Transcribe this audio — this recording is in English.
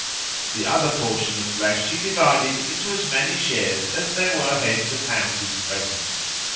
The other portion of flesh he divided into as many shares as there were heads of houses present.